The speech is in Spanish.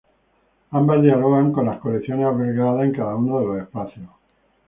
Ambas dialogan con las colecciones albergadas en cada uno de los espacios.